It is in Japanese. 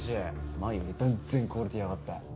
前より断然クオリティー上がったよ。